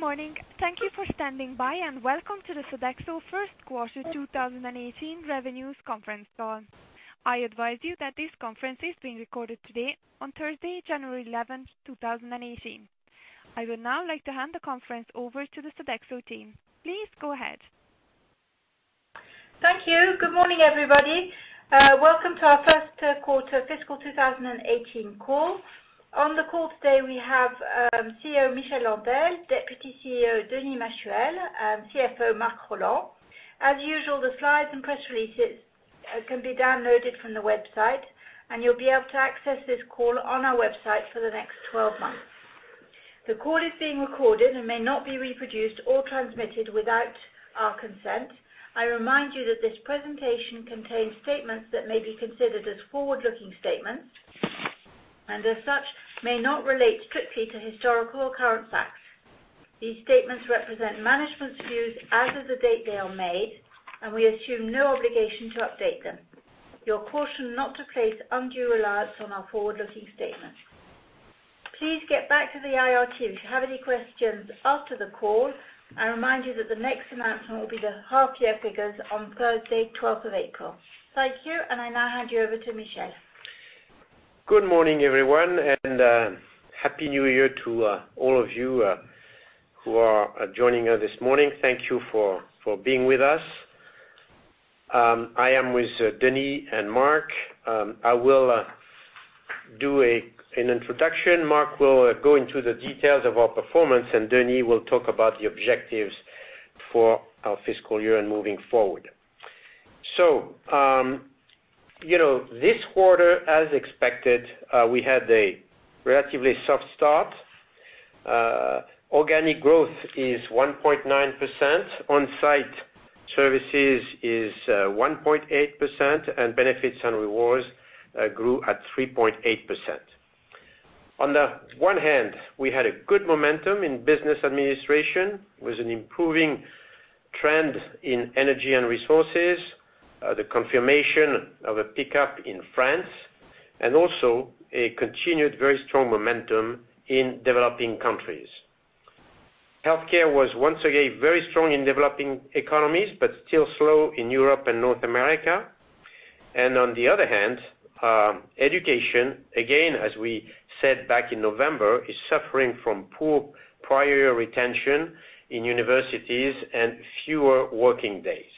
Good morning. Thank you for standing by, welcome to the Sodexo First Quarter 2018 Revenues conference call. I advise that this conference is being recorded today on Thursday, January 11th, 2018. I would now like to hand the conference over to the Sodexo team. Please go ahead. Thank you. Good morning, everybody. Welcome to our first quarter fiscal 2018 call. On the call today, we have CEO, Michel Landel, Deputy CEO, Denis Machuel, CFO, Marc Rolland. As usual, the slides and press releases can be downloaded from the website, you'll be able to access this call on our website for the next 12 months. The call is being recorded and may not be reproduced or transmitted without our consent. I remind you that this presentation contains statements that may be considered as forward-looking statements, as such, may not relate strictly to historical or current facts. These statements represent management's views as of the date they are made, we assume no obligation to update them. You are cautioned not to place undue reliance on our forward-looking statements. Please get back to the IR team if you have any questions after the call. I remind you that the next announcement will be the half-year figures on Thursday, 12th of April. Thank you. I now hand you over to Michel. Good morning, everyone, happy New Year to all of you who are joining us this morning. Thank you for being with us. I am with Denis and Marc. I will do an introduction. Marc will go into the details of our performance, Denis will talk about the objectives for our fiscal year and moving forward. This quarter, as expected, we had a relatively soft start. Organic growth is 1.9%, on-site services is 1.8%, Benefits and Rewards grew at 3.8%. On the one hand, we had a good momentum in Business & Administrations. It was an improving trend in Energy & Resources, the confirmation of a pickup in France, a continued very strong momentum in developing countries. Healthcare was once again very strong in developing economies, but still slow in Europe and North America. On the other hand, education, again, as we said back in November, is suffering from poor prior retention in universities and fewer working days.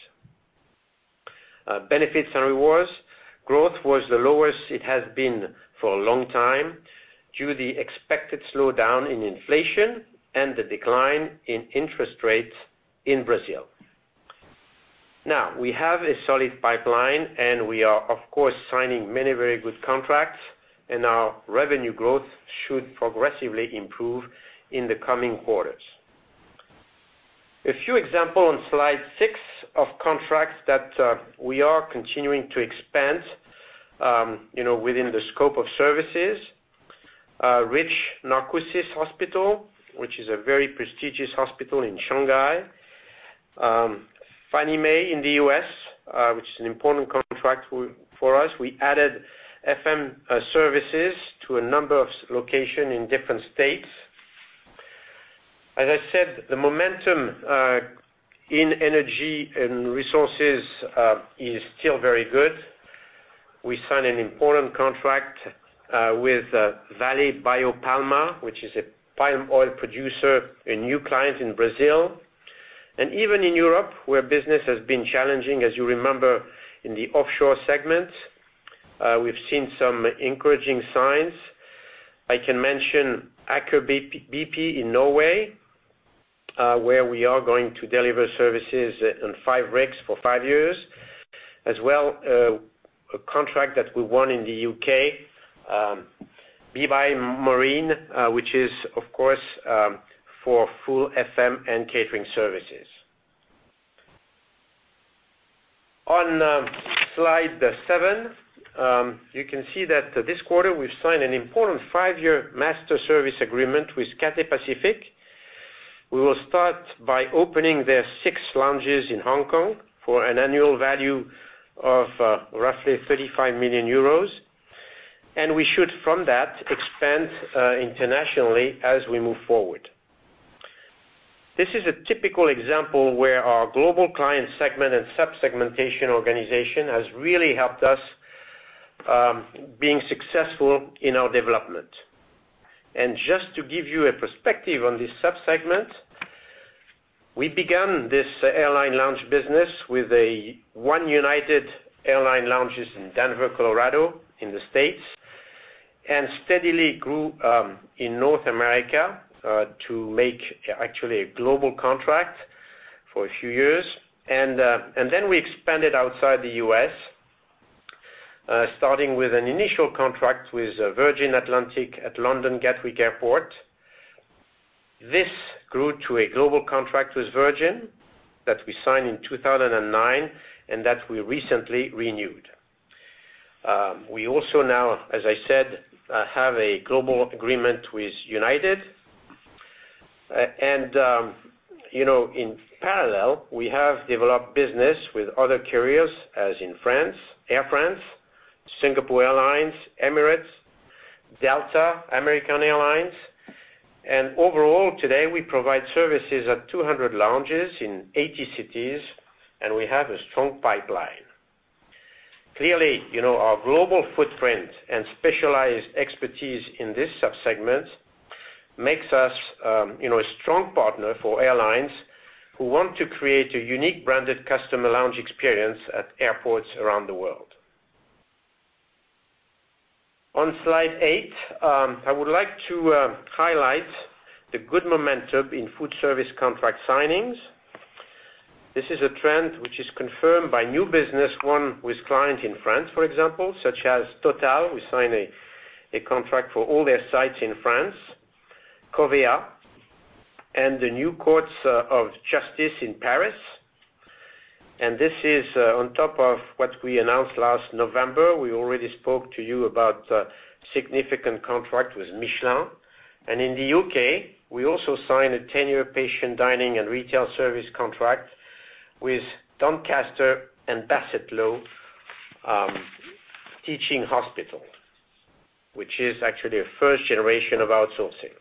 Benefits and rewards growth was the lowest it has been for a long time due to the expected slowdown in inflation and the decline in interest rates in Brazil. We have a solid pipeline, we are of course, signing many very good contracts, our revenue growth should progressively improve in the coming quarters. A few examples on slide 6 of contracts that we are continuing to expand, within the scope of services. Ruijin Hospital, which is a very prestigious hospital in Shanghai. Fannie Mae in the U.S., which is an important contract for us. We added FM services to a number of locations in different states. The momentum in Energy & Resources is still very good. We signed an important contract with Biopalma da Amazônia, which is a palm oil producer, a new client in Brazil. Even in Europe, where business has been challenging, as you remember, in the offshore segment, we've seen some encouraging signs. I can mention Aker BP in Norway, where we are going to deliver services on five rigs for five years. As well, a contract that we won in the U.K., B.V. Marine, which is, of course, for full FM and catering services. On slide 7, you can see that this quarter we've signed an important 5-year master service agreement with Cathay Pacific. We will start by opening their six lounges in Hong Kong for an annual value of roughly 35 million euros. We should, from that, expand internationally as we move forward. This is a typical example where our global client segment and sub-segmentation organization has really helped us being successful in our development. Just to give you a perspective on this sub-segment, we began this airline lounge business with one United Airlines lounge in Denver, Colorado, in the U.S., steadily grew in North America, to make actually a global contract for a few years. We expanded outside the U.S., starting with an initial contract with Virgin Atlantic at London Gatwick Airport. This grew to a global contract with Virgin that we signed in 2009 and that we recently renewed. We also now, as I said, have a global agreement with United. In parallel, we have developed business with other carriers, as in France, Air France, Singapore Airlines, Emirates, Delta, American Airlines. Overall, today we provide services at 200 lounges in 80 cities, we have a strong pipeline. Clearly, our global footprint and specialized expertise in this sub-segment makes us a strong partner for airlines who want to create a unique branded customer lounge experience at airports around the world. On slide 8, I would like to highlight the good momentum in food service contract signings. This is a trend which is confirmed by new business won with clients in France, for example, such as Total. We signed a contract for all their sites in France. Covéa, and the new courts of justice in Paris. This is on top of what we announced last November. We already spoke to you about a significant contract with Michelin. In the U.K., we also signed a 10-year patient dining and retail service contract with Doncaster and Bassetlaw Teaching Hospitals, which is actually a first generation of outsourcing.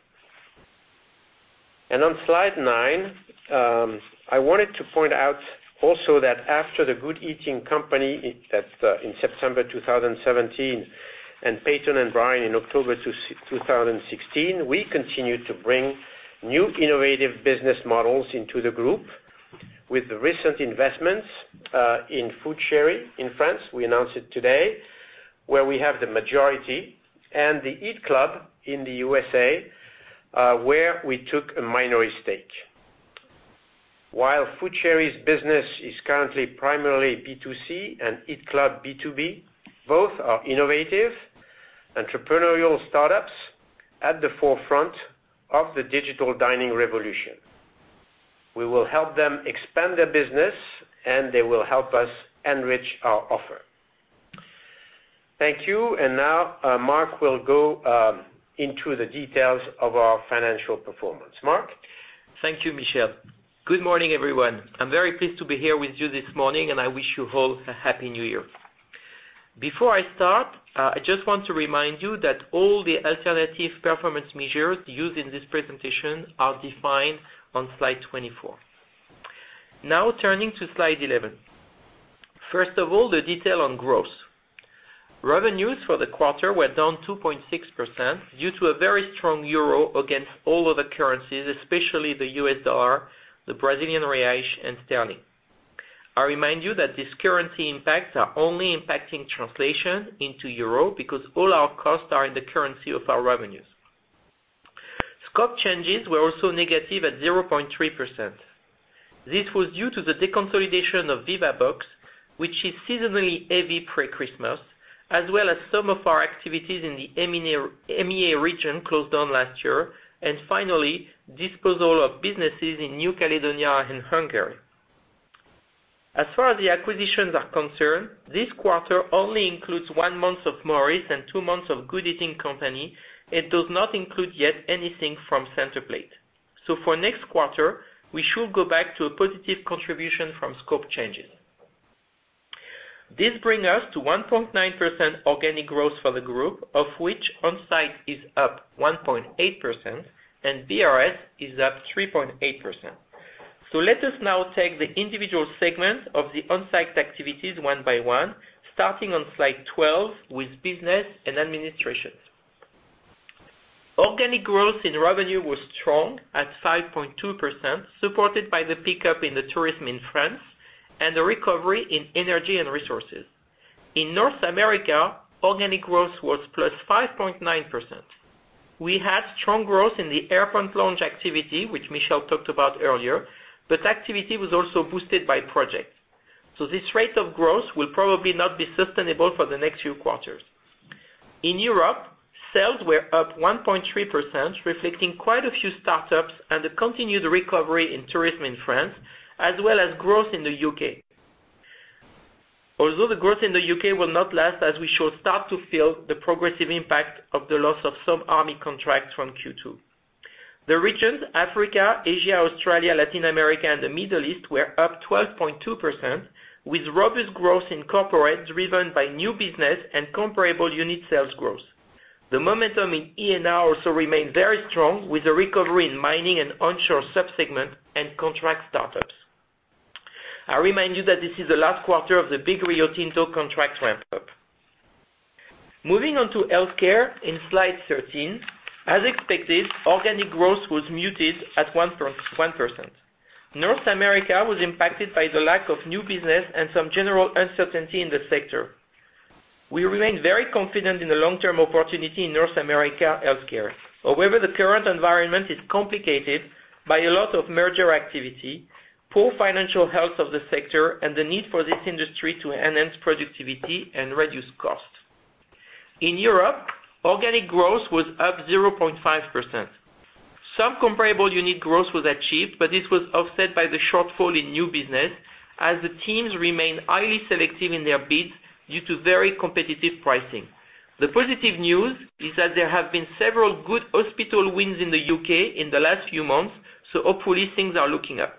On slide nine, I wanted to point out also that after The Good Eating Company, that's in September 2017, and Peyton & Byrne in October 2016, we continue to bring new innovative business models into the group with the recent investments in FoodChéri in France, we announced it today, where we have the majority, and the Eat Club in the USA, where we took a minority stake. While FoodChéri's business is currently primarily B2C and Eat Club B2B, both are innovative, entrepreneurial startups at the forefront of the digital dining revolution. We will help them expand their business, and they will help us enrich our offer. Thank you. Now, Marc will go into the details of our financial performance. Marc? Thank you, Michel. Good morning, everyone. I am very pleased to be here with you this morning, and I wish you all a Happy New Year. Before I start, I just want to remind you that all the alternative performance measures used in this presentation are defined on slide 24. Turning to slide 11. First of all, the detail on growth. Revenues for the quarter were down 2.6% due to a very strong EUR against all other currencies, especially the U.S. dollar, the Brazilian real, and GBP. I remind you that these currency impacts are only impacting translation into EUR because all our costs are in the currency of our revenues. Scope changes were also negative at 0.3%. This was due to the deconsolidation of Vivabox, which is seasonally heavy pre-Christmas, as well as some of our activities in the EMEA region closed down last year, and finally, disposal of businesses in New Caledonia and Hungary. As far as the acquisitions are concerned, this quarter only includes one month of Morris and two months of The Good Eating Company. It does not include yet anything from Centerplate. For next quarter, we should go back to a positive contribution from scope changes. This bring us to 1.9% organic growth for the group, of which on-site is up 1.8% and BRS is up 3.8%. Let us now take the individual segments of the on-site activities one by one, starting on slide 12 with Business & Administrations. Organic growth in revenue was strong at 5.2%, supported by the pickup in the tourism in France and a recovery in Energy & Resources. In North America, organic growth was +5.9%. We had strong growth in the airport lounge activity, which Michel talked about earlier, but activity was also boosted by projects. This rate of growth will probably not be sustainable for the next few quarters. In Europe, sales were up 1.3%, reflecting quite a few startups and a continued recovery in tourism in France, as well as growth in the U.K. Although the growth in the U.K. will not last as we should start to feel the progressive impact of the loss of some Army contracts from Q2. The regions Africa, Asia, Australia, Latin America, and the Middle East were up 12.2%, with robust growth in corporate, driven by new business and comparable unit sales growth. The momentum in E&R also remained very strong with a recovery in mining and onshore sub-segment and contract startups. I remind you that this is the last quarter of the big Rio Tinto contract ramp-up. Moving on to healthcare in slide 13. As expected, organic growth was muted at 1%. North America was impacted by the lack of new business and some general uncertainty in the sector. We remain very confident in the long-term opportunity in North America healthcare. However, the current environment is complicated by a lot of merger activity, poor financial health of the sector, and the need for this industry to enhance productivity and reduce costs. In Europe, organic growth was up 0.5%. Some comparable unit growth was achieved, but this was offset by the shortfall in new business as the teams remained highly selective in their bids due to very competitive pricing. The positive news is that there have been several good hospital wins in the U.K. in the last few months, so hopefully things are looking up.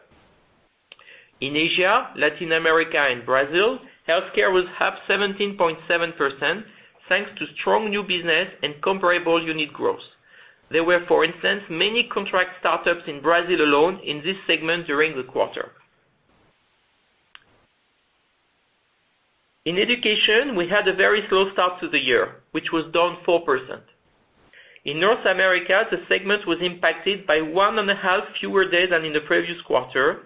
In Asia, Latin America, and Brazil, healthcare was up 17.7%, thanks to strong new business and comparable unit growth. There were, for instance, many contract startups in Brazil alone in this segment during the quarter. In education, we had a very slow start to the year, which was down 4%. In North America, the segment was impacted by one and a half fewer days than in the previous quarter.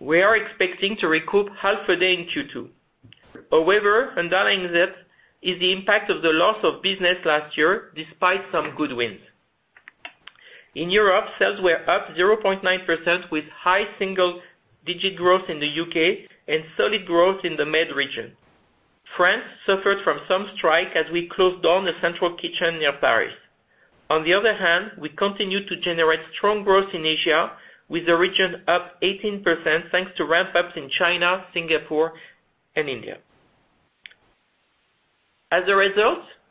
We are expecting to recoup half a day in Q2. However, underlying that is the impact of the loss of business last year, despite some good wins. In Europe, sales were up 0.9% with high single-digit growth in the U.K. and solid growth in the MED region. France suffered from some strike as we closed down a central kitchen near Paris. We continue to generate strong growth in Asia, with the region up 18%, thanks to ramp-ups in China, Singapore, and India.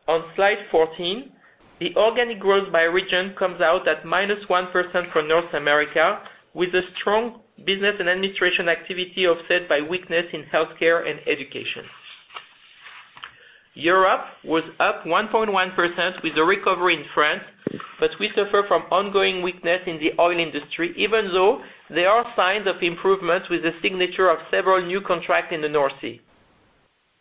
On slide 14, the organic growth by region comes out at -1% for North America, with a strong Business & Administrations activity offset by weakness in healthcare and education. Europe was up 1.1% with a recovery in France, but we suffer from ongoing weakness in the oil industry, even though there are signs of improvement with the signature of several new contracts in the North Sea.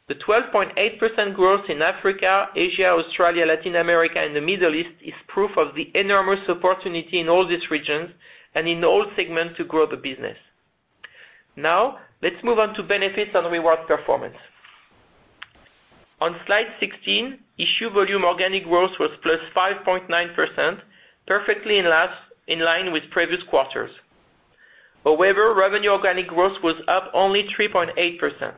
The 12.8% growth in Africa, Asia, Australia, Latin America, and the Middle East is proof of the enormous opportunity in all these regions and in all segments to grow the business. Let's move on to Benefits and Rewards Services performance. On slide 16, issue volume organic growth was +5.9%, perfectly in line with previous quarters. Revenue organic growth was up only 3.8%.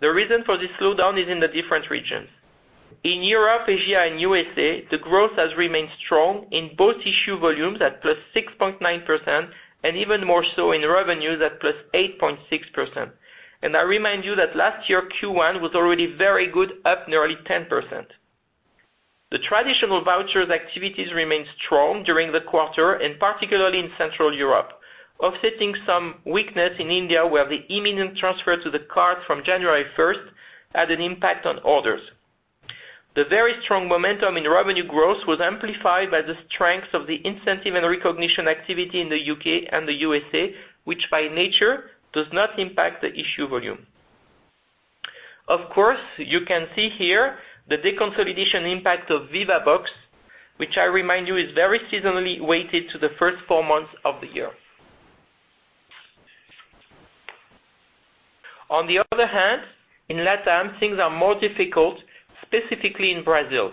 The reason for this slowdown is in the different regions. In Europe, Asia, and U.S., the growth has remained strong in both issue volumes at +6.9% and even more so in revenues at +8.6%. I remind you that last year, Q1 was already very good, up nearly 10%. The traditional voucher activities remained strong during the quarter, and particularly in Central Europe, offsetting some weakness in India, where the imminent transfer to the card from January 1st had an impact on orders. The very strong momentum in revenue growth was amplified by the strength of the incentive and recognition activity in the U.K. and the U.S., which by nature does not impact the issue volume. Of course, you can see here the deconsolidation impact of Vivabox, which I remind you is very seasonally weighted to the first four months of the year. On the other hand, in Latam, things are more difficult, specifically in Brazil.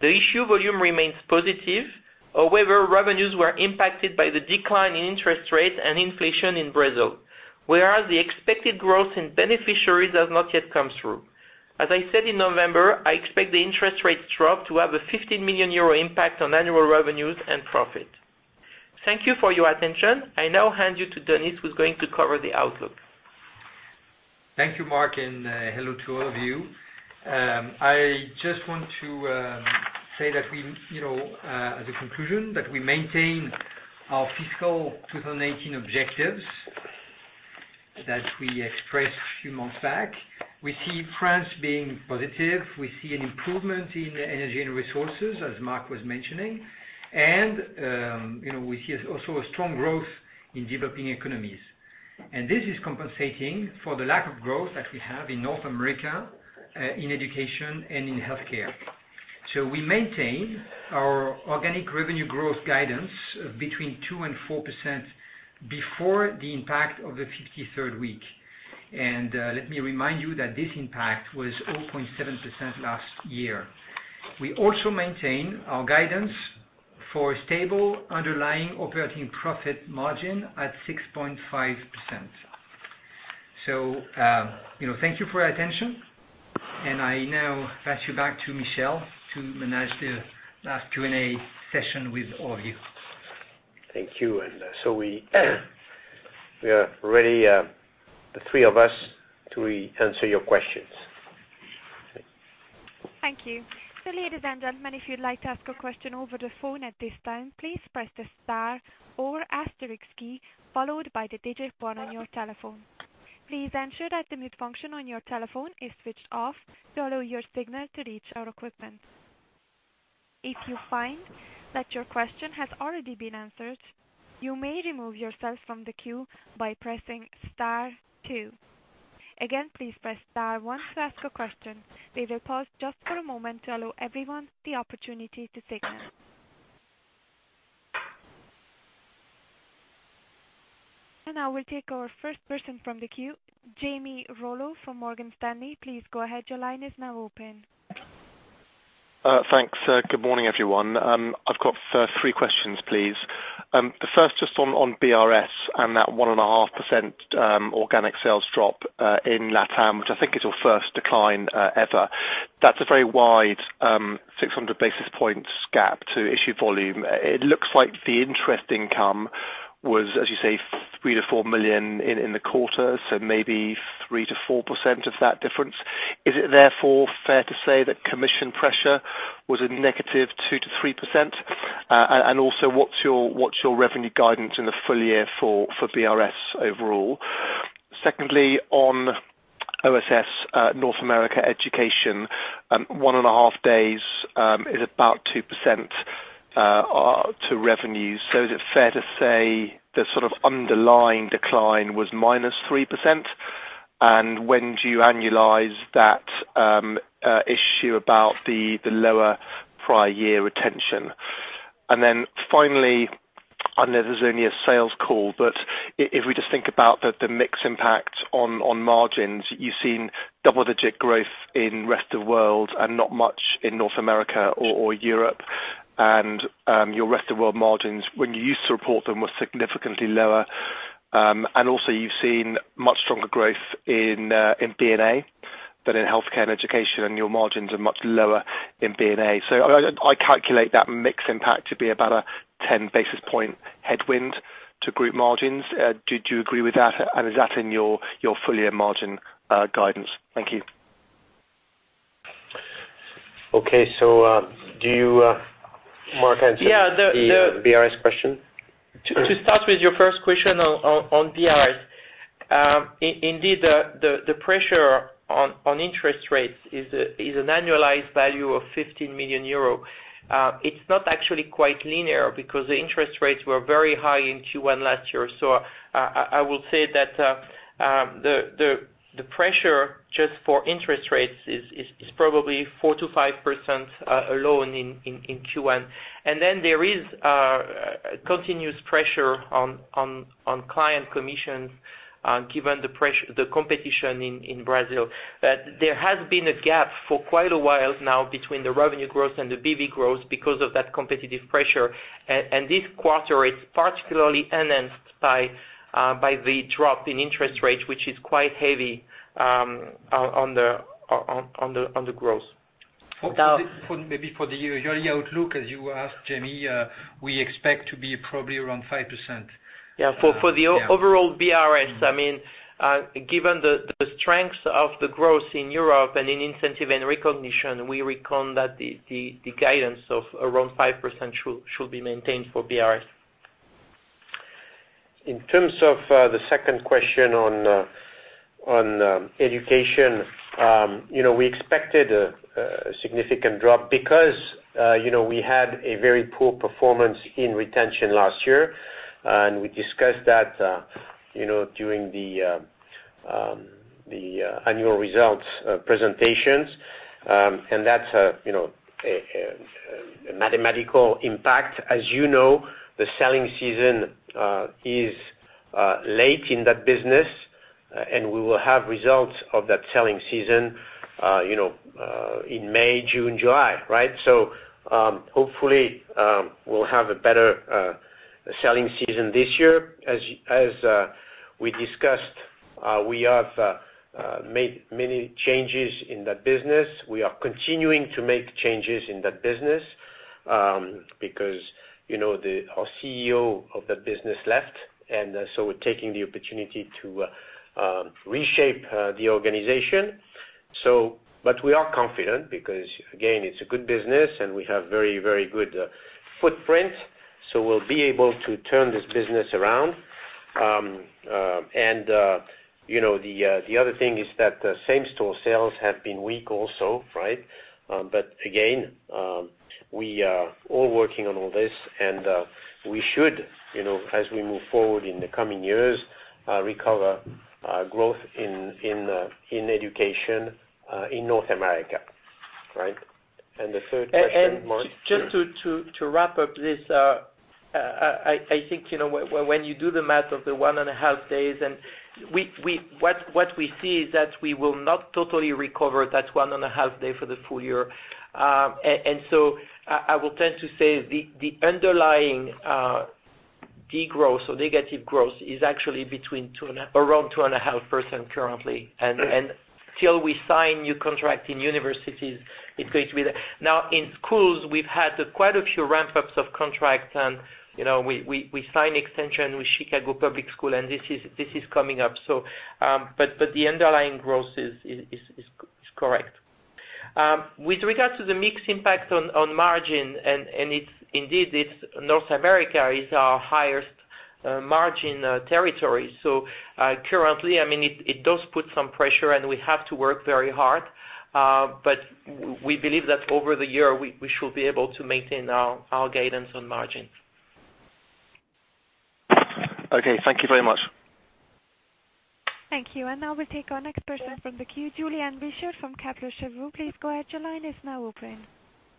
The issue volume remains positive. However, revenues were impacted by the decline in interest rate and inflation in Brazil, whereas the expected growth in beneficiaries has not yet come through. As I said in November, I expect the interest rates drop to have a 15 million euro impact on annual revenues and profit. Thank you for your attention. I now hand you to Denis, who's going to cover the outlook. Thank you, Marc, and hello to all of you. I just want to say that as a conclusion, that we maintain our fiscal 2018 objectives that we expressed a few months back. We see France being positive. We see an improvement in Energy & Resources, as Marc was mentioning. We see also a strong growth in developing economies. This is compensating for the lack of growth that we have in North America, in education, and in healthcare. We maintain our organic revenue growth guidance between 2% and 4% before the impact of the 53rd week. Let me remind you that this impact was 0.7% last year. We also maintain our guidance for stable underlying operating profit margin at 6.5%. Thank you for your attention, and I now pass you back to Michel to manage the last Q&A session with all of you. Thank you. We are ready, the three of us, to answer your questions. Thank you. Ladies and gentlemen, if you'd like to ask a question over the phone at this time, please press the star or asterisk key, followed by the digit 1 on your telephone. Please ensure that the mute function on your telephone is switched off to allow your signal to reach our equipment. If you find that your question has already been answered, you may remove yourself from the queue by pressing star 2. Again, please press star 1 to ask a question. We will pause just for a moment to allow everyone the opportunity to signal. Now we'll take our first person from the queue. Jamie Rollo from Morgan Stanley, please go ahead. Your line is now open. Thanks. Good morning, everyone. I've got three questions, please. The first is on BRS and that 1.5% organic sales drop in Latam, which I think is your first decline ever. That's a very wide 600 basis points gap to issue volume. It looks like the interest income Was, as you say, 3 million to 4 million in the quarter, so maybe 3% to 4% of that difference. Is it therefore fair to say that commission pressure was a negative 2% to 3%? Also, what's your revenue guidance in the full year for BRS overall? Secondly, on OSS North America Education, one and a half days is about 2% to revenues. Is it fair to say the sort of underlying decline was minus 3%? When do you annualize that issue about the lower prior year retention? Finally, I know this is only a sales call, but if we just think about the mix impact on margins, you've seen double-digit growth in rest of world and not much in North America or Europe. Your rest of world margins, when you used to report them, were significantly lower. Also, you've seen much stronger growth in B&A than in healthcare and education, and your margins are much lower in B&A. I calculate that mix impact to be about a 10 basis point headwind to group margins. Do you agree with that? Is that in your full year margin guidance? Thank you. Okay. Do you, Marc, answer- Yeah. The BRS question? To start with your first question on BRS. Indeed, the pressure on interest rates is an annualized value of 15 million euro. It is not actually quite linear because the interest rates were very high in Q1 last year. I will say that the pressure just for interest rates is probably 4%-5% alone in Q1. There is continuous pressure on client commissions, given the competition in Brazil. There has been a gap for quite a while now between the revenue growth and the BRS growth because of that competitive pressure. This quarter is particularly enhanced by the drop in interest rates, which is quite heavy on the growth. Maybe for the yearly outlook, as you asked, Jamie, we expect to be probably around 5%. Yeah. For the overall BRS, given the strength of the growth in Europe and in incentive and recognition, we reckon that the guidance of around 5% should be maintained for BRS. The second question on education. We expected a significant drop because we had a very poor performance in retention last year, and we discussed that during the annual results presentations. That's a mathematical impact. As you know, the selling season is late in that business, and we will have results of that selling season in May, June, July, right? Hopefully we'll have a better selling season this year. As we discussed, we have made many changes in that business. We are continuing to make changes in that business, because our CEO of that business left. We're taking the opportunity to reshape the organization. We are confident because, again, it's a good business and we have very good footprint. We'll be able to turn this business around. The other thing is that same store sales have been weak also, right? We are all working on all this, and we should, as we move forward in the coming years, recover growth in education in North America. Right. The third question, Marc? Just to wrap up this, I think when you do the math of the one and a half days, what we see is that we will not totally recover that one and a half day for the full year. I will tend to say the underlying de-growth, so negative growth is actually around 2.5% currently. Till we sign new contract in universities, it's going to be there. In schools, we've had quite a few ramp-ups of contracts. We signed extension with Chicago Public Schools, and this is coming up. The underlying growth is correct. With regard to the mix impact on margin, North America is our highest margin territory. Currently, it does put some pressure, and we have to work very hard. We believe that over the year, we should be able to maintain our guidance on margins. Okay. Thank you very much. Thank you. Now we'll take our next person from the queue, Julian Bichard from Kepler Cheuvreux. Please go ahead. Your line is now open.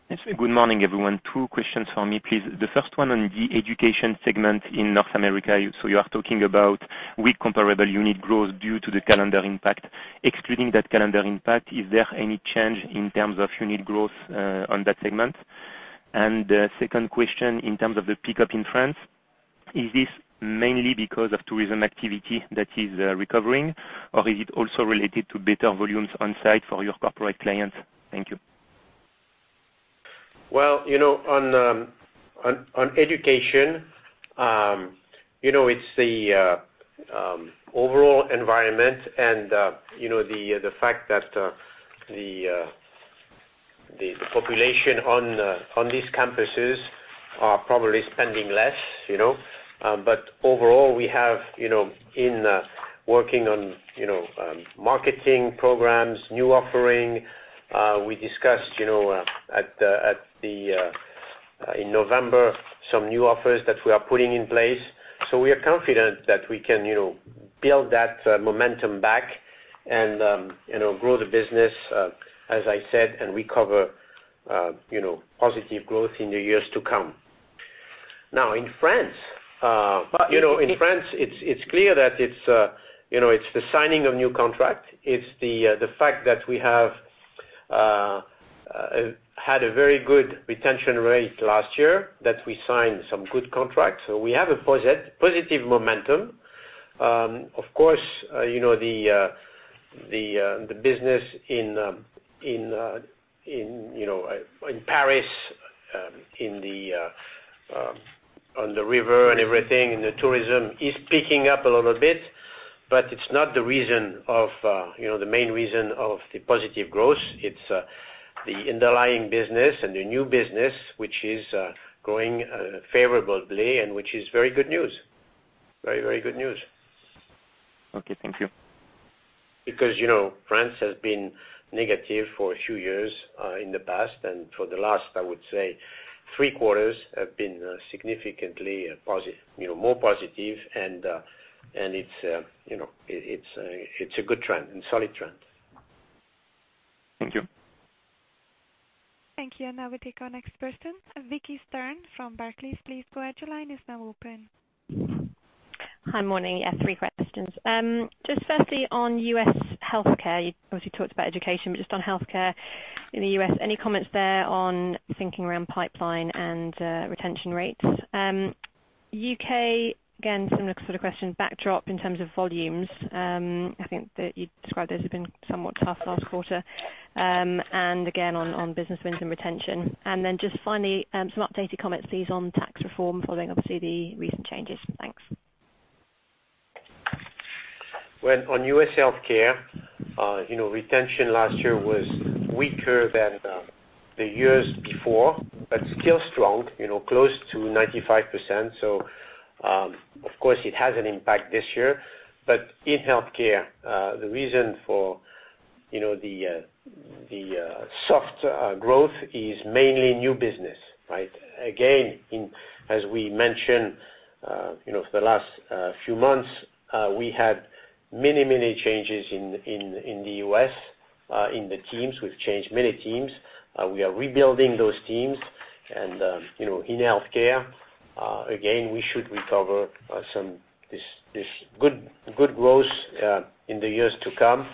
Good morning, everyone. Two questions for me, please. The first one on the education segment in North America. You are talking about weak comparable unit growth due to the calendar impact. Excluding that calendar impact, is there any change in terms of unit growth on that segment? Second question, in terms of the pickup in France, is this mainly because of tourism activity that is recovering, or is it also related to better volumes on site for your corporate clients? Thank you. Well, on education, it's the overall environment and the fact that the population on these campuses are probably spending less. Overall, we have, in working on marketing programs, new offering, we discussed in November some new offers that we are putting in place. We are confident that we can build that momentum back and grow the business, as I said, and recover positive growth in the years to come. Now, in France, it's clear that it's the signing of new contract. It's the fact that we have had a very good retention rate last year, that we signed some good contracts. We have a positive momentum. Of course, the business in Paris, on the river and everything, and the tourism is picking up a little bit, but it's not the main reason of the positive growth. It's the underlying business and the new business, which is growing favorably and which is very good news. Very good news. Okay. Thank you. France has been negative for a few years in the past, and for the last, I would say, three quarters have been significantly more positive, and it's a good trend and solid trend. Thank you. Thank you. Now we take our next person, Vicki Stern from Barclays. Please go ahead. Your line is now open. Hi. Morning. Three questions. Firstly, on U.S. healthcare. You obviously talked about education, but on healthcare in the U.S., any comments there on thinking around pipeline and retention rates? U.K., again, similar sort of question. Backdrop in terms of volumes. I think that you described those have been somewhat tough last quarter. Again, on business wins and retention. Finally, some updated comments, please, on tax reform following, obviously, the recent changes. Thanks. On U.S. healthcare, retention last year was weaker than the years before but still strong, close to 95%. Of course, it has an impact this year. In healthcare, the reason for the soft growth is mainly new business. Again, as we mentioned, for the last few months, we had many changes in the U.S. in the teams. We've changed many teams. We are rebuilding those teams. In healthcare, again, we should recover this good growth in the years to come.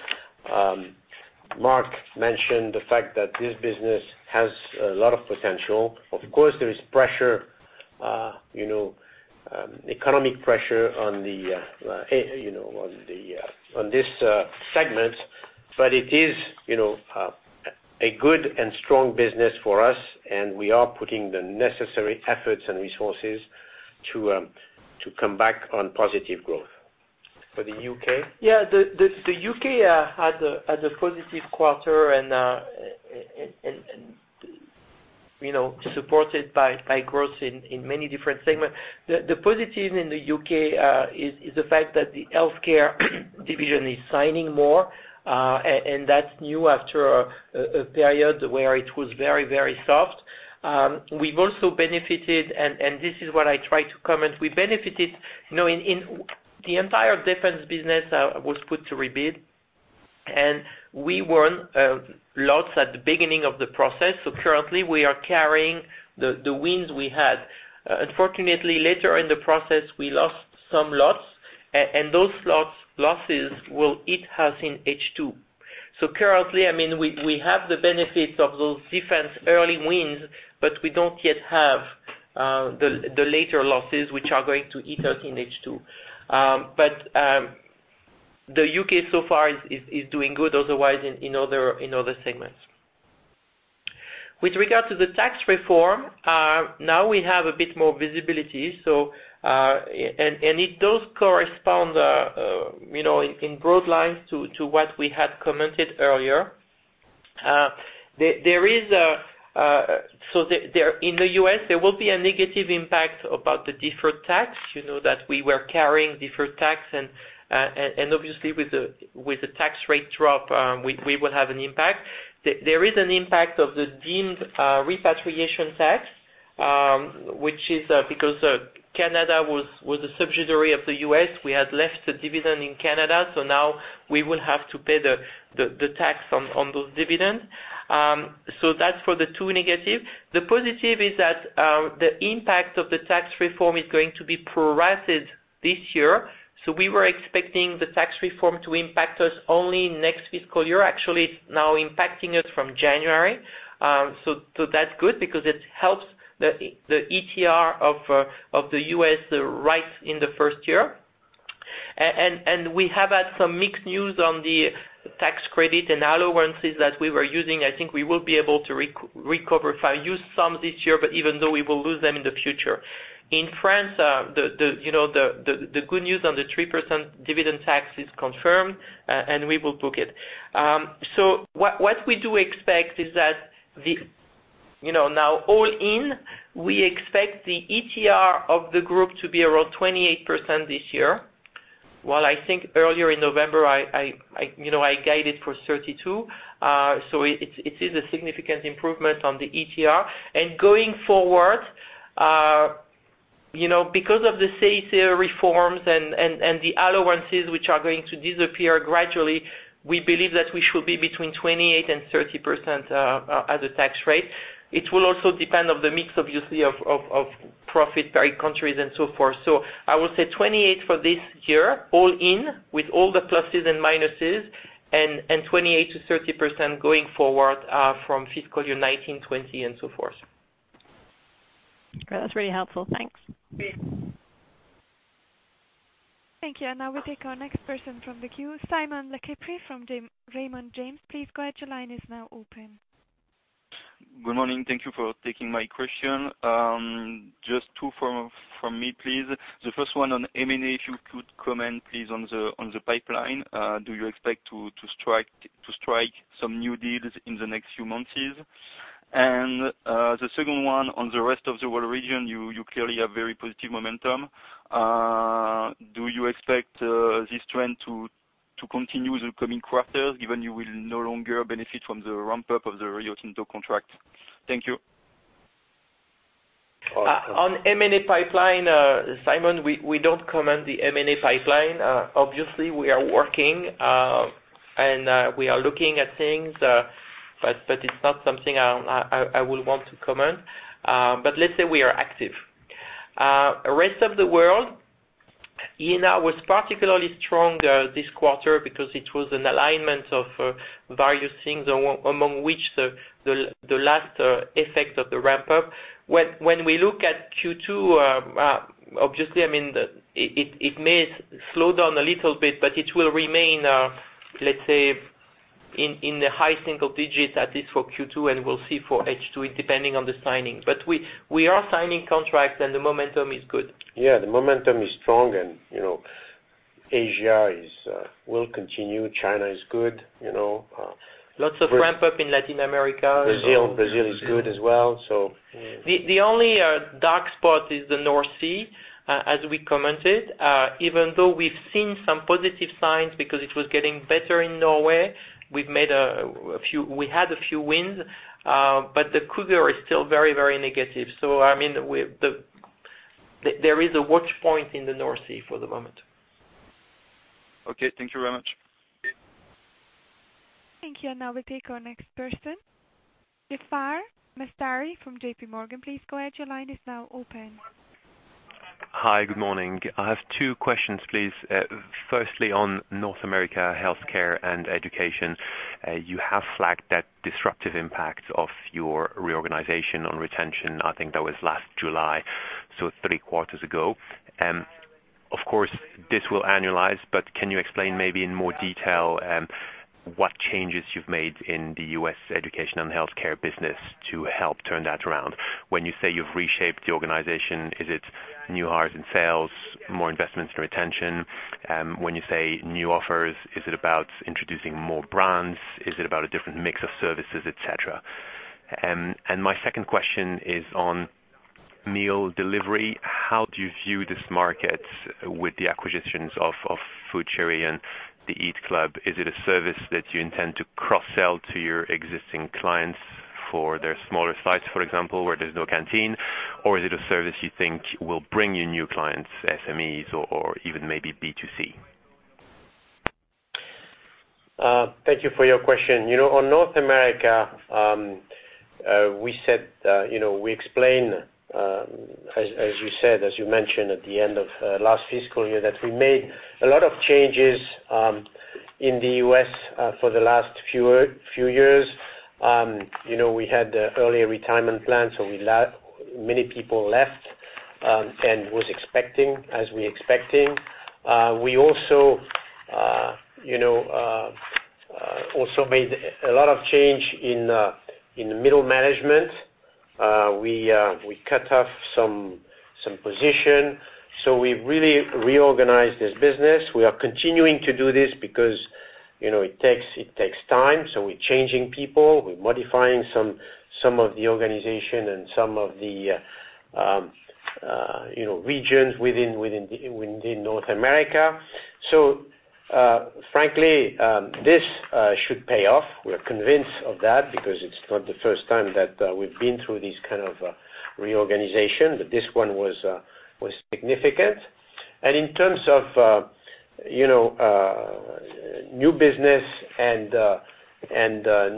Marc mentioned the fact that this business has a lot of potential. Of course, there is economic pressure on this segment. It is a good and strong business for us, and we are putting the necessary efforts and resources to come back on positive growth. For the U.K.? The U.K. had a positive quarter and supported by growth in many different segments. The positive in the U.K. is the fact that the healthcare division is signing more, and that's new after a period where it was very soft. We've also benefited, and this is what I try to comment. The entire defense business was put to rebid, and we won lots at the beginning of the process. Currently, we are carrying the wins we had. Unfortunately, later in the process, we lost some lots, and those losses will hit us in H2. Currently, we have the benefit of those defense early wins, but we don't yet have the later losses, which are going to hit us in H2. The U.K. so far is doing good otherwise in other segments. With regard to the tax reform, now we have a bit more visibility. It does correspond in broad lines to what we had commented earlier. In the U.S., there will be a negative impact about the deferred tax, that we were carrying deferred tax, and obviously with the tax rate drop, we will have an impact. There is an impact of the deemed repatriation tax, which is because Canada was a subsidiary of the U.S. We had left the dividend in Canada. Now we will have to pay the tax on those dividends. That's for the two negative. The positive is that the impact of the tax reform is going to be prorated this year. We were expecting the tax reform to impact us only next fiscal year. Actually, it's now impacting us from January. That's good because it helps the ETR of the U.S. right in the first year. We have had some mixed news on the tax credit and allowances that we were using. I think we will be able to recover if I use some this year, but even though we will lose them in the future. In France, the good news on the 3% dividend tax is confirmed, and we will book it. What we do expect is that now all in, we expect the ETR of the group to be around 28% this year. While I think earlier in November, I guided for 32%. It is a significant improvement on the ETR. Going forward, because of the CICE reforms and the allowances which are going to disappear gradually, we believe that we should be between 28% and 30% as a tax rate. It will also depend on the mix, obviously, of profit by countries and so forth. I would say 28% for this year, all in, with all the pluses and minuses, and 28%-30% going forward from fiscal year 2019, 2020, and so forth. Great. That's really helpful. Thanks. Yeah. Thank you. Now we'll take our next person from the queue. Simon LeChipre from Raymond James. Please go ahead. Your line is now open. Good morning. Thank you for taking my question. Just two from me, please. The first one on M&A, if you could comment, please, on the pipeline. Do you expect to strike some new deals in the next few months? The second one, on the rest of the world region, you clearly have very positive momentum. Do you expect this trend to continue the coming quarters, given you will no longer benefit from the ramp-up of the Rio Tinto contract? Thank you. On M&A pipeline, Simon, we don't comment the M&A pipeline. Obviously, we are working, and we are looking at things, but it's not something I will want to comment. Let's say we are active. Rest of the world, E&R was particularly strong this quarter because it was an alignment of various things, among which the last effect of the ramp-up. When we look at Q2, obviously, it may slow down a little bit, but it will remain, let's say, in the high single digits at least for Q2, and we'll see for H2, depending on the signing. We are signing contracts and the momentum is good. The momentum is strong and Asia will continue. China is good. Lots of ramp-up in Latin America. Brazil is good as well. The only dark spot is the North Sea, as we commented. Even though we've seen some positive signs because it was getting better in Norway, we had a few wins. The Cougar is still very negative. There is a watch point in the North Sea for the moment. Okay. Thank you very much. Thank you. Now we take our next person. Jaafar Mestari from JPMorgan. Please go ahead. Your line is now open. Hi. Good morning. I have two questions, please. Firstly, on North America Healthcare and Education, you have flagged that disruptive impact of your reorganization on retention. I think that was last July, so three quarters ago. Of course, this will annualize, but can you explain maybe in more detail what changes you've made in the U.S. Education and Healthcare business to help turn that around? When you say you've reshaped the organization, is it new hires in sales, more investments in retention? When you say new offers, is it about introducing more brands? Is it about a different mix of services, et cetera? My second question is on meal delivery. How do you view this market with the acquisitions of FoodChéri and the Eat Club? Is it a service that you intend to cross-sell to your existing clients for their smaller sites, for example, where there's no canteen? Is it a service you think will bring you new clients, SMEs or even maybe B2C? Thank you for your question. On North America, we explained, as you mentioned at the end of last fiscal year, that we made a lot of changes in the U.S. for the last few years. We had the early retirement plan, so many people left, and was expecting as we expecting. We also made a lot of change in the middle management. We cut off some position. We've really reorganized this business. We are continuing to do this because it takes time. We're changing people, we're modifying some of the organization and some of the regions within North America. Frankly, this should pay off. We're convinced of that because it's not the first time that we've been through this kind of reorganization, but this one was significant. In terms of new business and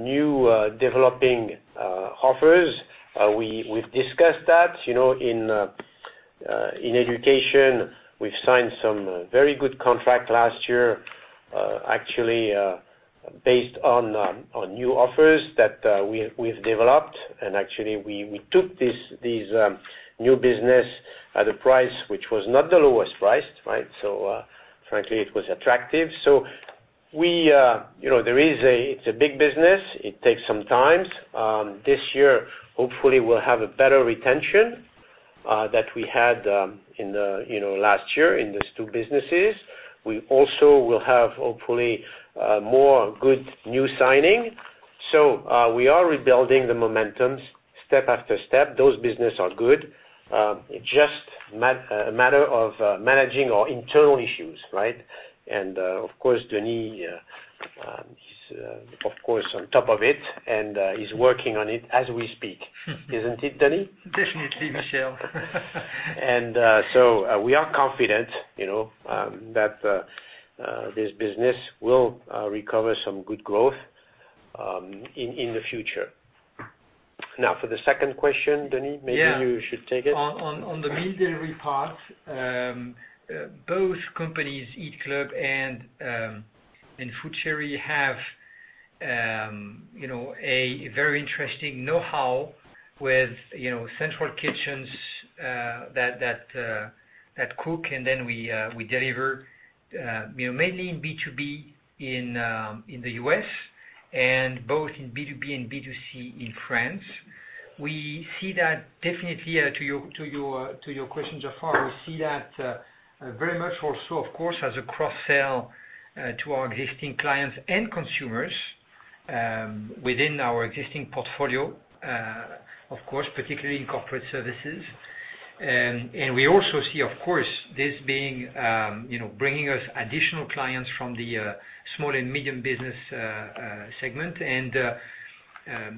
new developing offers, we've discussed that. In education, we've signed some very good contract last year. Actually, based on new offers that we've developed, and actually we took these new business at a price which was not the lowest priced. Frankly, it was attractive. It's a big business. It takes some time. This year, hopefully we'll have a better retention that we had last year in these two businesses. We also will have, hopefully, more good new signing. We are rebuilding the momentums step after step. Those business are good. Just a matter of managing our internal issues. Of course, Denis is on top of it, and he's working on it as we speak. Isn't it, Denis? Definitely, Michel. We are confident that this business will recover some good growth in the future. Now, for the second question, Denis, maybe you should take it. Yeah. On the meal delivery part, both companies, Eat Club and FoodChéri, have a very interesting know-how with central kitchens that cook and then we deliver, mainly in B2B in the U.S., and both in B2B and B2C in France. We see that definitely, to your question so far, we see that very much also, of course, as a cross-sell to our existing clients and consumers within our existing portfolio, of course, particularly in corporate services. We also see, of course, this bringing us additional clients from the small and medium business segment,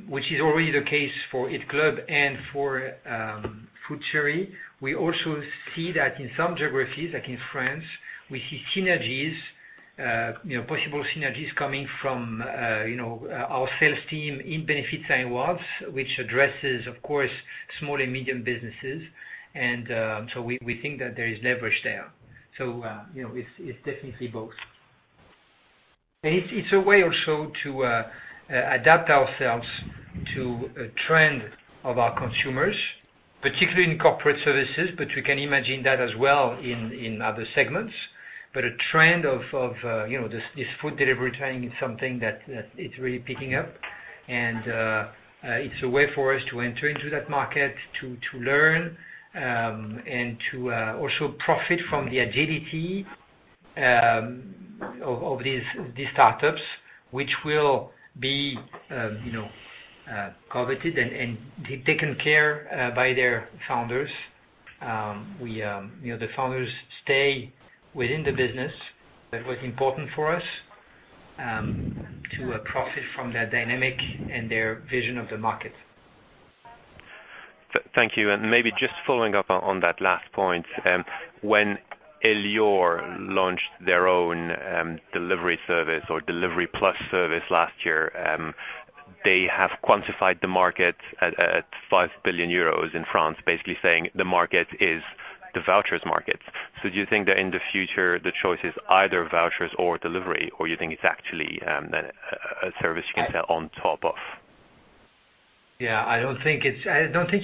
which is already the case for Eat Club and for FoodChéri. We also see that in some geographies, like in France, we see synergies, possible synergies coming from our sales team in Benefits Rewards, which addresses, of course, small and medium businesses. We think that there is leverage there. It's definitely both. It's a way also to adapt ourselves to a trend of our consumers, particularly in corporate services, but we can imagine that as well in other segments. A trend of this food delivery trend is something that it's really picking up. It's a way for us to enter into that market, to learn, and to also profit from the agility of these startups, which will be coveted and taken care by their founders. The founders stay within the business. That was important for us to profit from their dynamic and their vision of the market. Thank you. Maybe just following up on that last point, when Elior launched their own delivery service or Delivery Plus service last year, they have quantified the market at 5 billion euros in France, basically saying the market is the vouchers market. Do you think that in the future, the choice is either vouchers or delivery, or you think it's actually a service you can sell on top of? Yeah, I don't think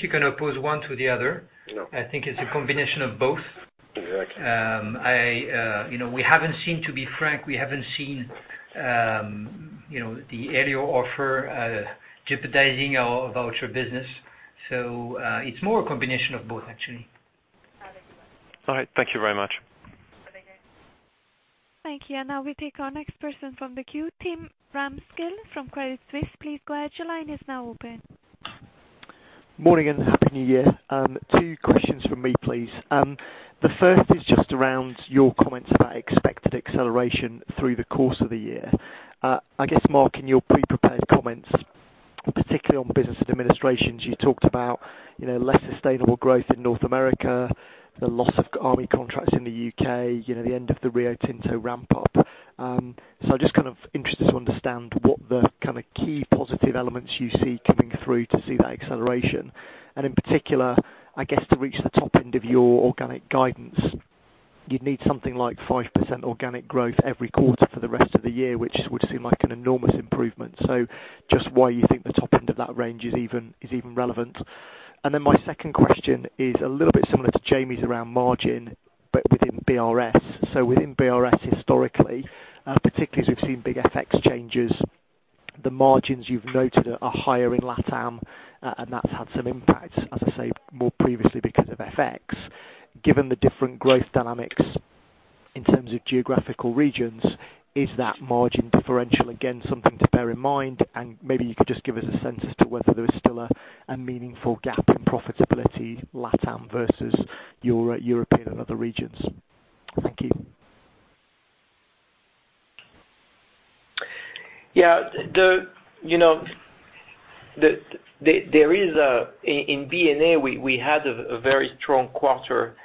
you can oppose one to the other. No. I think it's a combination of both. Exactly. We haven't seemed to be frank, we haven't seen the Elior offer jeopardizing our voucher business. It's more a combination of both, actually. All right. Thank you very much. Thank you. Now we take our next person from the queue, Tim Ramskill from Credit Suisse. Please go ahead. Your line is now open. Morning, Happy New Year. Two questions from me, please. The first is just around your comments about expected acceleration through the course of the year. I guess, Marc, in your pre-prepared comments, particularly on Business & Administrations, you talked about less sustainable growth in North America, the loss of army contracts in the U.K., the end of the Rio Tinto ramp up. Just kind of interested to understand what the kind of key positive elements you see coming through to see that acceleration. In particular, I guess to reach the top end of your organic guidance, you'd need something like 5% organic growth every quarter for the rest of the year, which would seem like an enormous improvement. Just why you think the top end of that range is even relevant. Then my second question is a little bit similar to Jamie's around margin, but within BRS. Within BRS historically, particularly as we've seen big FX changes, the margins you've noted are higher in LATAM, and that's had some impact, as I say, more previously because of FX. Given the different growth dynamics in terms of geographical regions, is that margin differential, again, something to bear in mind? Maybe you could just give us a sense as to whether there is still a meaningful gap in profitability, LATAM versus Europe, European and other regions. Thank you. Yeah. In B&A, we had a very strong quarter.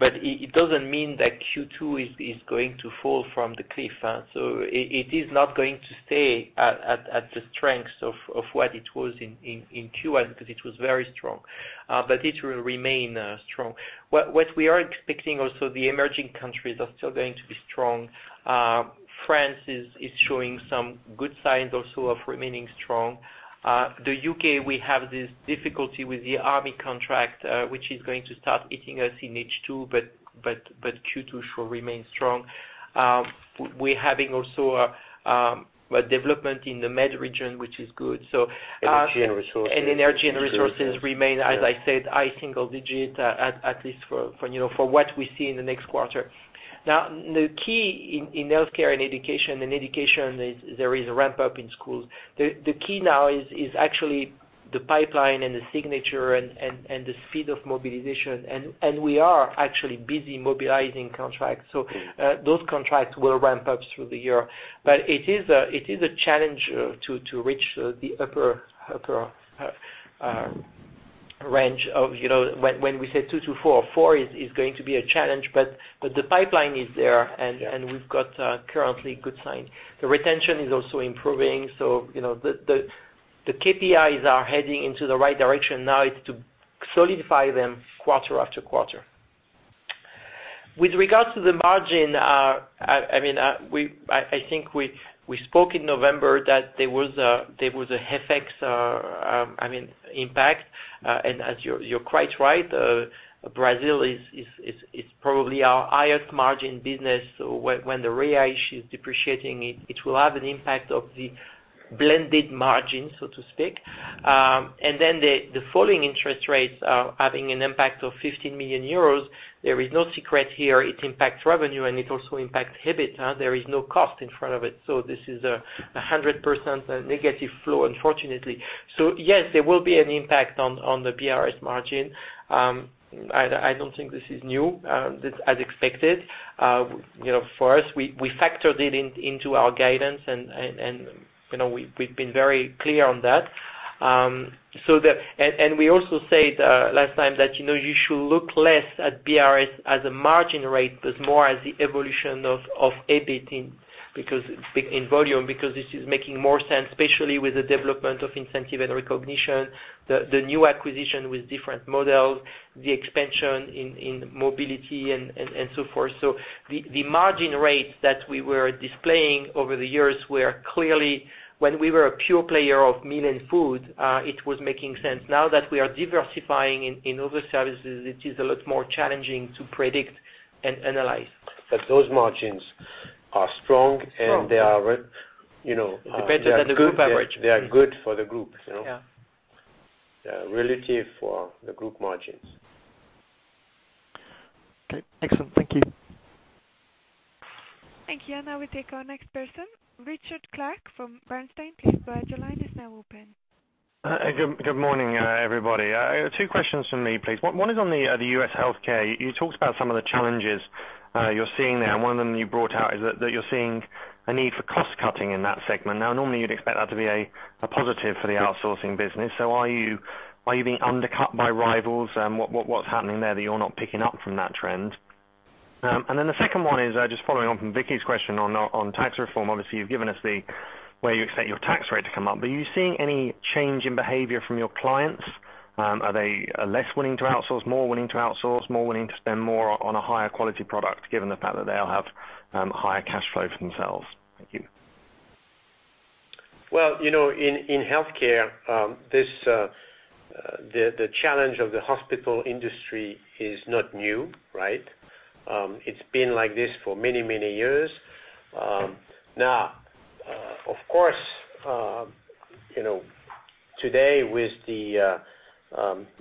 It doesn't mean that Q2 is going to fall from the cliff. It is not going to stay at the strengths of what it was in Q1, because it was very strong. It will remain strong. What we are expecting also, the emerging countries are still going to be strong. France is showing some good signs also of remaining strong. The U.K., we have this difficulty with the army contract, which is going to start hitting us in H2, but Q2 shall remain strong. We're having also a development in the MED region, which is good. Energy & Resources. Energy & Resources remain, as I said, high single digit at least for what we see in the next quarter. Now, the key in healthcare and education. In education, there is a ramp-up in schools. The key now is actually the pipeline and the signature and the speed of mobilization. We are actually busy mobilizing contracts. Those contracts will ramp up through the year. It is a challenge to reach the upper range. When we say two to four is going to be a challenge, but the pipeline is there, and we've got currently good signs. The retention is also improving. The KPIs are heading into the right direction. Now it's to solidify them quarter after quarter. With regards to the margin, I think we spoke in November that there was a FX impact. You're quite right, Brazil is probably our highest margin business. When the Brazilian real is depreciating, it will have an impact of the blended margin, so to speak. The falling interest rates are having an impact of 15 million euros. There is no secret here. It impacts revenue, and it also impacts EBIT. There is no cost in front of it. This is 100% negative flow, unfortunately. Yes, there will be an impact on the BRS margin. I don't think this is new. This is as expected. For us, we factored it into our guidance, and we've been very clear on that. We also said last time that you should look less at BRS as a margin rate, but more as the evolution of EBIT in volume, because this is making more sense, especially with the development of incentive and recognition, the new acquisition with different models, the expansion in mobility and so forth. The margin rates that we were displaying over the years were clearly when we were a pure player of meal and food it was making sense. Now that we are diversifying in other services, it is a lot more challenging to predict and analyze. Those margins are strong. Strong. They are- They are better than the group average. They are good for the group. Yeah. Relative for the group margins. Okay, excellent. Thank you. Thank you. Now we take our next person, Richard Clarke from Bernstein. Please go ahead, your line is now open. Good morning, everybody. Two questions from me, please. One is on the U.S. healthcare. One of them you brought out is that you're seeing a need for cost-cutting in that segment. Normally, you'd expect that to be a positive for the outsourcing business. Are you being undercut by rivals? What's happening there that you're not picking up from that trend? The second one is just following on from Vicki's question on tax reform. You've given us the way you expect your tax rate to come up. Are you seeing any change in behavior from your clients? Are they less willing to outsource, more willing to outsource, more willing to spend more on a higher quality product, given the fact that they'll have higher cash flow for themselves? Thank you. In healthcare, the challenge of the hospital industry is not new, right? It's been like this for many, many years. Of course, today with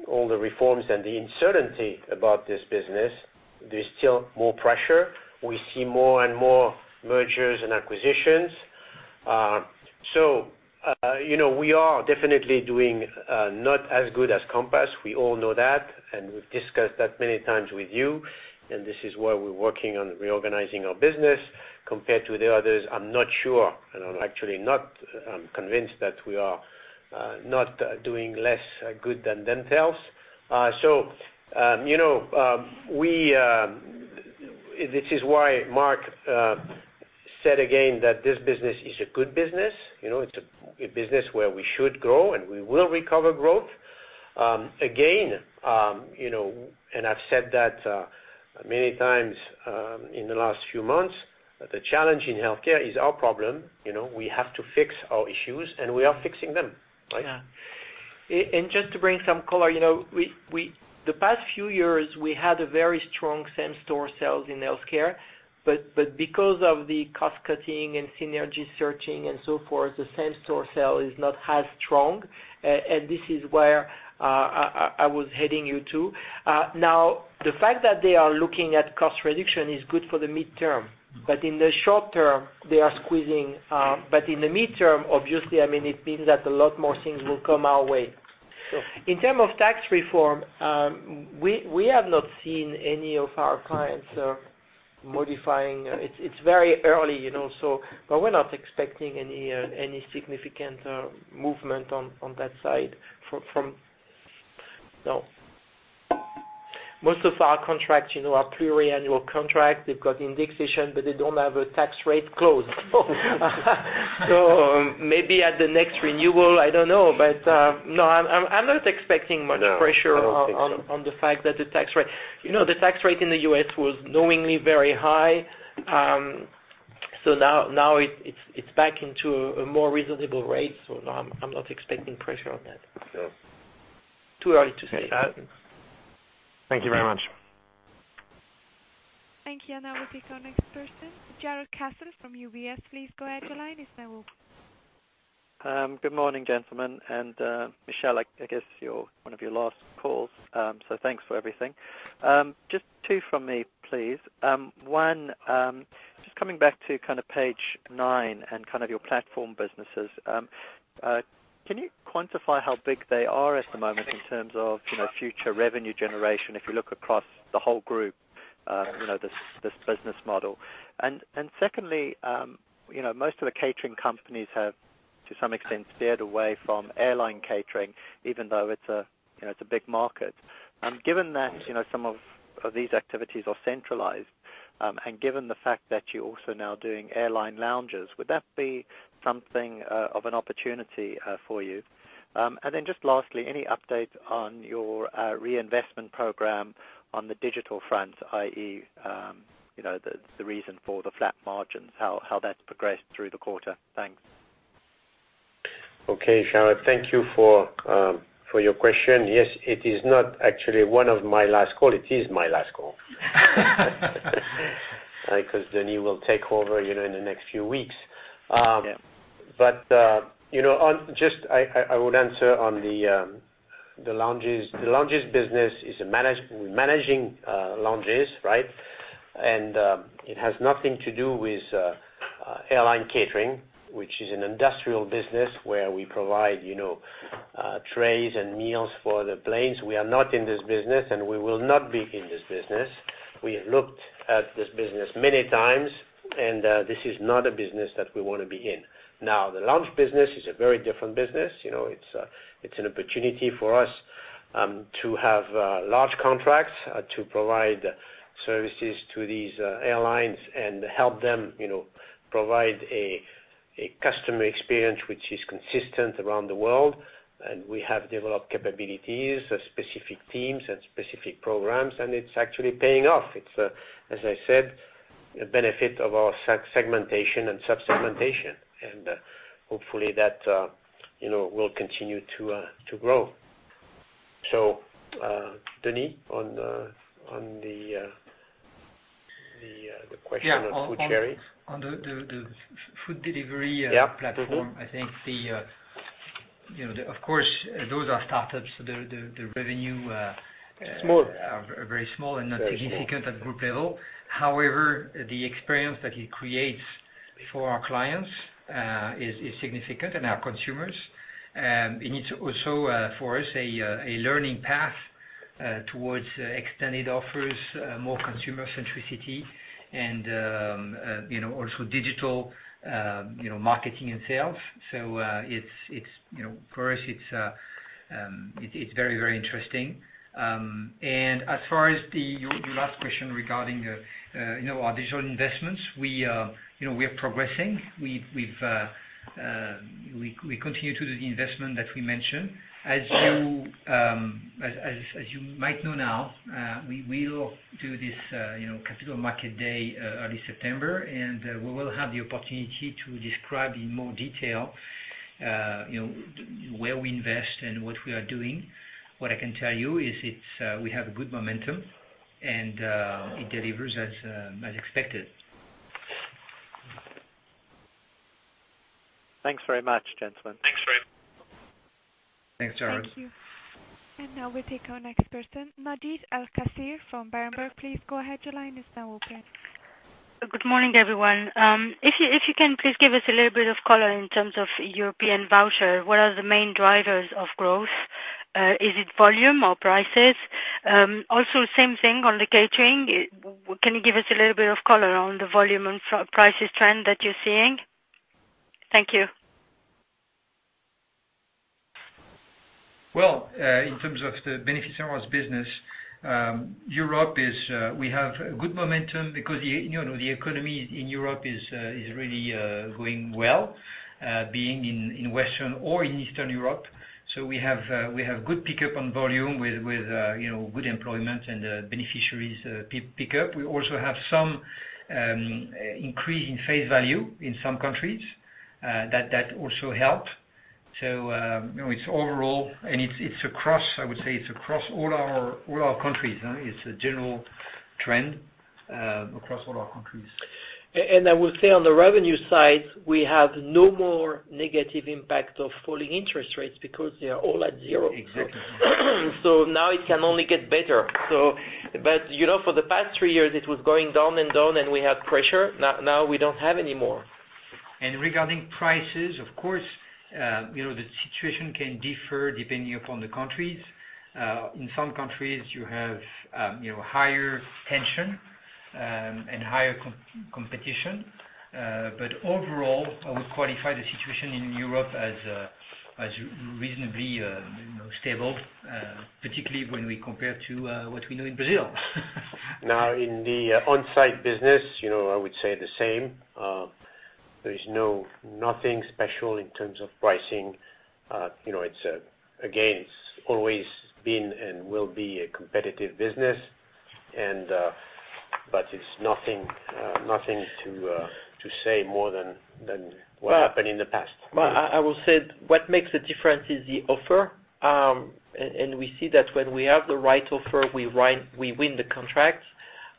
all the reforms and the uncertainty about this business, there's still more pressure. We see more and more mergers and acquisitions. We are definitely doing not as good as Compass. We all know that, and we've discussed that many times with you, and this is why we're working on reorganizing our business. Compared to the others, I'm not sure, and I'm actually not convinced that we are not doing less good than themselves. This is why Marc said again that this business is a good business. It's a business where we should grow, and we will recover growth. Again, I've said that many times in the last few months, the challenge in healthcare is our problem. We have to fix our issues, and we are fixing them, right? Yeah. Just to bring some color, the past few years, we had a very strong same-store sales in healthcare. Because of the cost-cutting and synergy searching and so forth, the same-store sale is not as strong, and this is where I was heading you to. The fact that they are looking at cost reduction is good for the midterm. In the short term, they are squeezing. In the midterm, it means that a lot more things will come our way. In terms of tax reform, we have not seen any of our clients modifying. It's very early. We're not expecting any significant movement on that side from No. Most of our contracts are triennial contracts. They've got indexation. They don't have a tax rate clause. Maybe at the next renewal, I don't know. No, I'm not expecting much pressure- No, I don't think so on the fact that the tax rate in the U.S. was knowingly very high. Now it's back into a more reasonable rate. No, I'm not expecting pressure on that. Too early to say. Thanks for that. Thank you very much. Thank you. Now we'll take our next person, Jarrod Castle from UBS. Please go ahead, your line is now open. Good morning, gentlemen, Michel, I guess one of your last calls, thanks for everything. Just two from me, please. One, just coming back to page nine and your platform businesses. Can you quantify how big they are at the moment in terms of future revenue generation, if you look across the whole group, this business model? Secondly, most of the catering companies have, to some extent, steered away from airline catering, even though it's a big market. Given that some of these activities are centralized, given the fact that you're also now doing airline lounges, would that be something of an opportunity for you? Then just lastly, any update on your reinvestment program on the digital front, i.e., the reason for the flat margins, how that's progressed through the quarter? Thanks. Okay, Jarrod. Thank you for your question. Yes, it is not actually one of my last call, it is my last call. Denis will take over in the next few weeks. Yeah. Just I would answer on the lounges business is managing lounges. It has nothing to do with airline catering, which is an industrial business where we provide trays and meals for the planes. We are not in this business, and we will not be in this business. We have looked at this business many times, and this is not a business that we want to be in. The lounge business is a very different business. It's an opportunity for us to have large contracts to provide services to these airlines and help them provide a customer experience which is consistent around the world. We have developed capabilities, specific teams, and specific programs, and it's actually paying off. It's, as I said, a benefit of our segmentation and sub-segmentation, and hopefully that will continue to grow. Denis, on the question of FoodChéri? On the food delivery platform. Yeah, mm-hmm. I think, of course, those are startups, so the revenue. Small are very small and not significant at group level. The experience that it creates for our clients is significant, and our consumers. It's also, for us, a learning path towards extended offers, more consumer centricity, and also digital marketing and sales. For us, it's very interesting. As far as your last question regarding our digital investments, we are progressing. We continue to do the investment that we mentioned. As you might know now, we will do this capital market day early September, and we will have the opportunity to describe in more detail where we invest and what we are doing. What I can tell you is we have a good momentum, and it delivers as expected. Thanks very much, gentlemen. Thanks, Jarrod. Thank you. Now we take our next person, Madjid Ait-Qassir from Berenberg. Please go ahead, your line is now open. Good morning, everyone. If you can please give us a little bit of color in terms of European voucher, what are the main drivers of growth? Is it volume or prices? Also, same thing on the catering. Can you give us a little bit of color on the volume and prices trend that you're seeing? Thank you. Well, in terms of the beneficiary business, Europe is, we have good momentum because the economy in Europe is really going well, being in Western or in Eastern Europe. We have good pickup on volume with good employment and beneficiaries pickup. We also have some increase in face value in some countries, that also helped. It's overall, and I would say it's across all our countries. It's a general trend across all our countries. I would say on the revenue side, we have no more negative impact of falling interest rates because they are all at zero. Exactly. Now it can only get better. For the past three years, it was going down and down, and we had pressure. Now we don't have anymore. Regarding prices, of course, the situation can differ depending upon the countries. In some countries you have higher tension and higher competition. Overall, I would qualify the situation in Europe as reasonably stable, particularly when we compare to what we know in Brazil. In the on-site business, I would say the same. There is nothing special in terms of pricing. It's always been and will be a competitive business, but it's nothing to say more than what happened in the past. I will say what makes a difference is the offer. We see that when we have the right offer, we win the contract.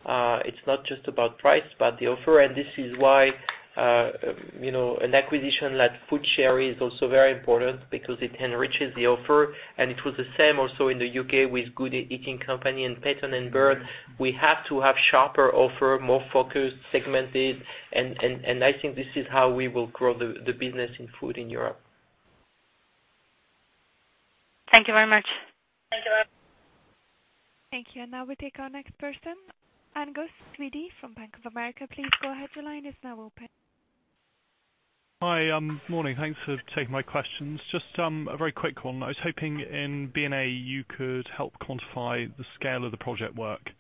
It's not just about price, but the offer. This is why an acquisition like FoodChéri is also very important because it enriches the offer. It was the same also in the U.K. with The Good Eating Company and Peyton & Byrne. We have to have sharper offer, more focused, segmented, and I think this is how we will grow the business in food in Europe. Thank you very much. Thank you. Now we take our next person, Akhil Sheth from Bank of America. Please go ahead. Your line is now open. Hi. Morning. Thanks for taking my questions. Just a very quick one. I was hoping in B&A, you could help quantify the scale of the project work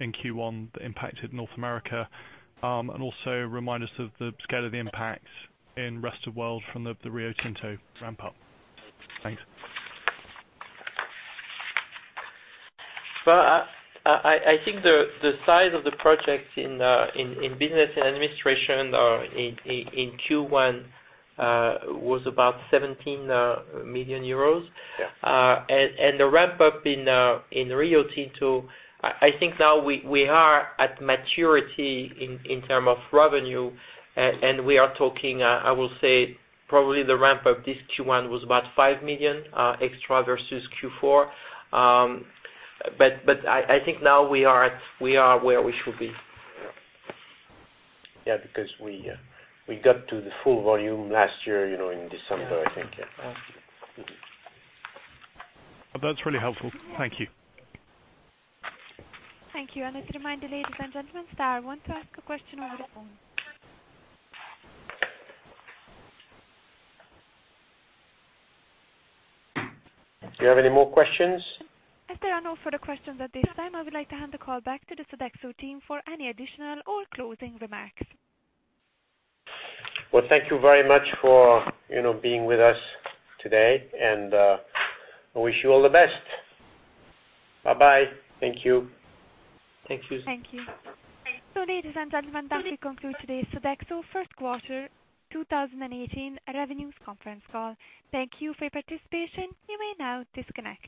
in Q1 that impacted North America, and also remind us of the scale of the impact in rest of world from the Rio Tinto ramp-up. Thanks. I think the size of the project in Business & Administrations in Q1 was about 17 million euros. Yeah. The ramp-up in Rio Tinto, I think now we are at maturity in terms of revenue, we are talking, I will say probably the ramp-up this Q1 was about 5 million extra versus Q4. I think now we are where we should be. Yeah. We got to the full volume last year in December, I think. Yeah. That's really helpful. Thank you. Thank you. Let me remind you, ladies and gentlemen, that I want to ask a question over the phone. Do you have any more questions? If there are no further questions at this time, I would like to hand the call back to the Sodexo team for any additional or closing remarks. Well, thank you very much for being with us today. I wish you all the best. Bye-bye. Thank you. Thank you. Thank you. Ladies and gentlemen, that will conclude today's Sodexo first quarter 2018 revenues conference call. Thank you for your participation. You may now disconnect.